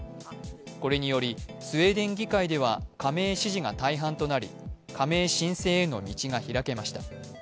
これによりスウェーデン議会では加盟支持が大半となり加盟申請への道が開けました。